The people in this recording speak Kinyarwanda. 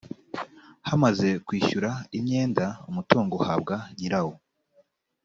hamaze kwishyura imyenda umutungo uhabwa nyirawo